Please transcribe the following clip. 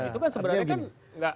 itu kan sebenarnya kan